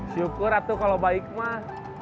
syukur ratu kalau baik mah